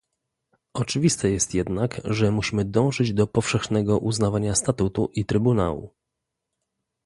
Oczywiste jest jednak, że musimy dążyć do powszechnego uznawania statutu i Trybunału